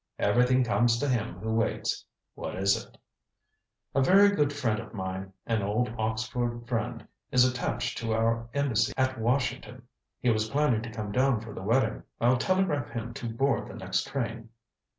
"Everything comes to him who waits. What is it?" "A very good friend of mine an old Oxford friend is attached to our embassy at Washington. He was planning to come down for the wedding. I'll telegraph him to board the next train."